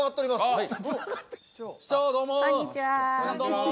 はい。